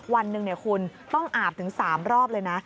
วันหนึ่งคุณต้องอาบถึง๓รอบเลยนะ